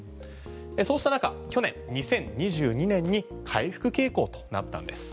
そうした中、去年２０２２年に回復傾向となったんです。